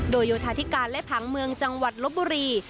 โดยโยธาธิการและผังเมืองจังหวัดลบบุรี